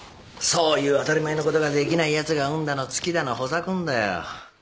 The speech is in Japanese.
そういう当たり前のことができないやつが運だのつきだのほざくんだよ。